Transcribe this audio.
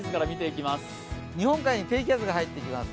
日本海に低気圧が入ってきます。